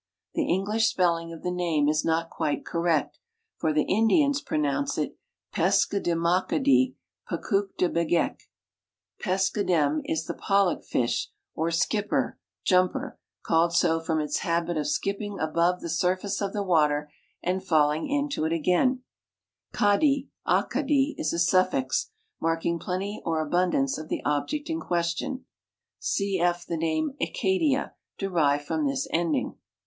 Tlie English spell ing of the name is not quite correct, for the Indians pronounce it Peskcdemakadi pekudebegek. Peskedem is the pollock fish or " skip per," "jumper ;" called so from its habit of skiiiping above the sur face of the water and falling into it again ; kadi, akadi is a suttix, marking plenty or abundance of the ol)ject in question. (Cf tlie name Acadia, derived from this ending.)